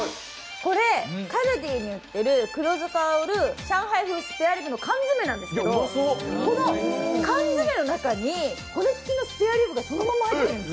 これ、カルディに売ってる黒酢香る上海風スペアリブの缶詰なんですけどこの缶詰の中に骨付きのスペアリブがそのまま入ってるんです。